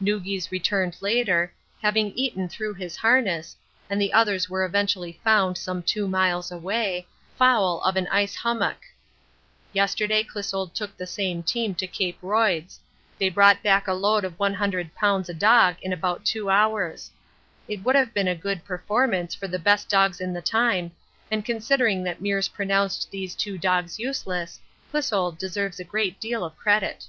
Noogis returned later, having eaten through his harness, and the others were eventually found some two miles away, 'foul' of an ice hummock. Yesterday Clissold took the same team to Cape Royds; they brought back a load of 100 lbs. a dog in about two hours. It would have been a good performance for the best dogs in the time, and considering that Meares pronounced these two dogs useless, Clissold deserves a great deal of credit.